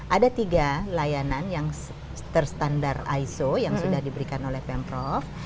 ada tiga layanan yang terstandar iso yang sudah diberikan oleh pemprov